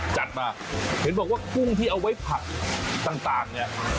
จัดมาเห็นบอกว่ากุ้งที่เอาไว้ผักต่างเนี่ย